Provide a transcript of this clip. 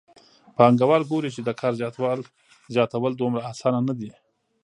پانګوال ګوري چې د کار زیاتول دومره اسانه نه دي